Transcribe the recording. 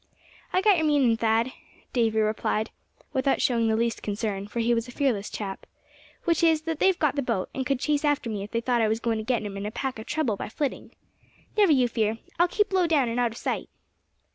"I got your meaning, Thad," Davy replied, without showing the least concern, for he was a fearless chap; "which is, that they've got the boat, and could chase after me if they thought I was going to get 'em in a peck of trouble by flitting. Never you fear, I'll keep low down, and out of sight."